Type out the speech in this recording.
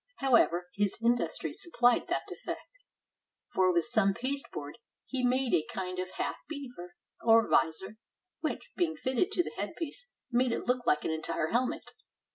However, his industry supplied that defect; for with some pasteboard he made a kind of half beaver, or visor, which, being fitted to the headpiece, made it look like an entire helmet.